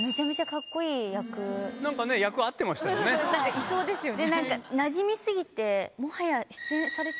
いそうですよね。